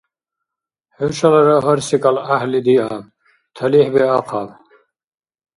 ХӀушалара гьар секӀал гӀяхӀил диаб. ТалихӀ биахъаб!